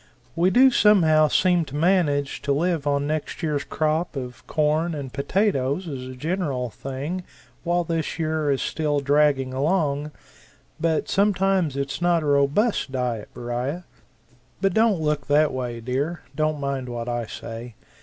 We do somehow seem to manage to live on next year's crop of corn and potatoes as a general thing while this year is still dragging along, but sometimes it's not a robust diet, Beriah. But don't look that way, dear don't mind what I say.